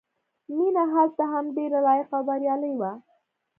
مینه هلته هم ډېره لایقه او بریالۍ وه